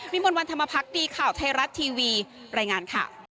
มนต์วันธรรมพักดีข่าวไทยรัฐทีวีรายงานค่ะ